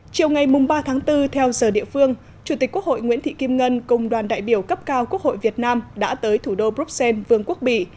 chiều ngày ba tháng bốn theo giờ địa phương chủ tịch quốc hội nguyễn thị kim ngân cùng đoàn đại biểu cấp cao quốc hội việt nam đã tới thủ đô bruxelles vương quốc bỉ